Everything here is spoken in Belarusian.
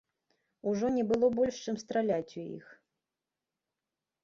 Ужо не было больш чым страляць у іх.